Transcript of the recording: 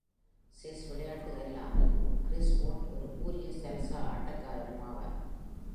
Chess விளையாட்டு அல்லாமல், Chris Ward ஒரு கூரிய சால்சா ஆட்டக்காரரும் ஆவார்.